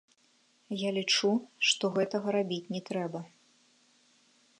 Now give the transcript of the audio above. Я лічу, што гэтага рабіць не трэба.